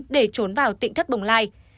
để trốn vào tỉnh thất bồng lai